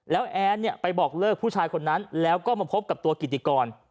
แล้วแอนเนี่ยไปบอกเลิกผู้ชายคนนั้นแล้วก็มาพบกับตัวกิติกร